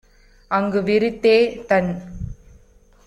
அங்கு விரித்தே - தன்